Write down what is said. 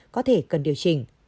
có thể cần điều chỉnh